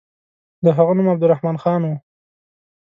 د هغه نوم عبدالرحمن خان وو.